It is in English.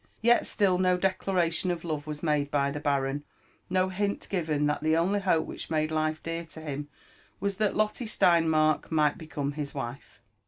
Yet still no declaration of love was made by the baron, no hint given that the only hope which made life dear to him was that Lotte Steinmark might become his wife.